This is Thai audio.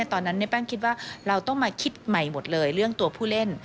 ตอนนั้นในแป้งคิดว่าเราต้องมาคิดใหม่หมดเลยเรื่องตัวผู้เล่น